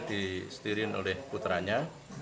disetirin oleh putranya